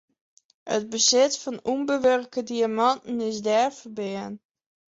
It besit fan ûnbewurke diamanten is dêr ferbean.